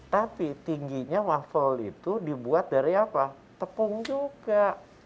tapi tingginya waffle itu dibuat dari apa tepung juga